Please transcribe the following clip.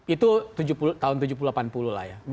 itu tahun tujuh puluh delapan puluh lah ya